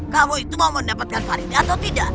kamu itu mau mendapatkan varian atau tidak